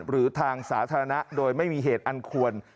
หรือทางสาธารณะโดยไม่มีเหตุอันควร